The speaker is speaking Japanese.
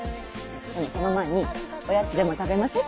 でもその前におやつでも食べません？